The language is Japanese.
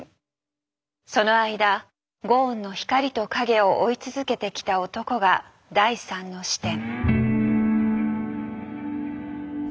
その間ゴーンの光と影を追い続けてきた男が第３の視点。